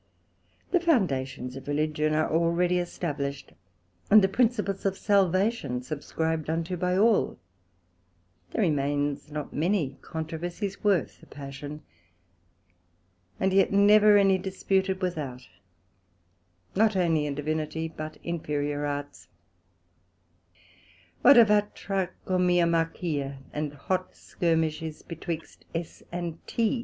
The Foundations of Religion are already established, and the Principles of Salvation subscribed unto by all: there remains not many controversies worth a Passion, and yet never any disputed without, not only in Divinity, but inferiour Arts: What a βατραχομυομαχία and hot skirmish is betwixt S. and T.